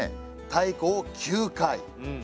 太鼓を９回。